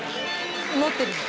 「持ってるの」